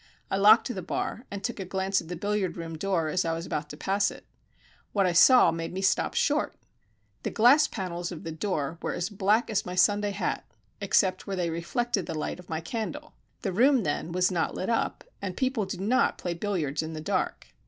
I locked the bar, and took a glance at the billiard room door as I was about to pass it. What I saw made me stop short. The glass panels of the door were as black as my Sunday hat, except where they reflected the light of my candle. The room, then, was not lit up, and people do not play billiards in the dark.